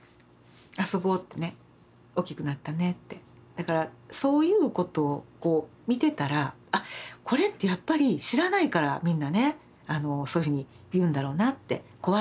だからそういうことを見てたらあっこれってやっぱり知らないからみんなねそういうふうに言うんだろうなって怖いんだろうなって。